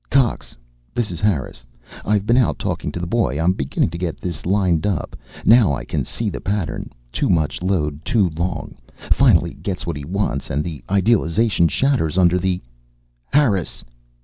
"Cox? This is Harris. I've been out talking to the boy. I'm beginning to get this lined up, now. I can see the pattern, too much load too long. Finally gets what he wants and the idealization shatters under the " "Harris!"